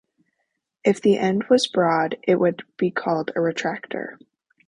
If the end was broad, it would be called a retractor.